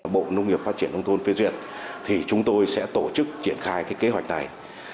bộ nông nghiệp phát triển nông thôn phê duyệt thì chúng tôi sẽ tổ chức triển khai cái kế hoạch này